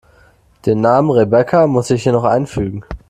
Den Namen Rebecca muss ich hier noch einfügen.